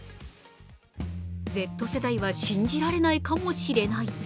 Ｚ世代は信じられないかもしれない。